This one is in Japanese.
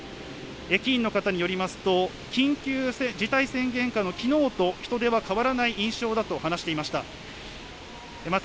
駅員の方によりますと、緊急事態宣言下のきのうと人出は変わらない印象だと話していました。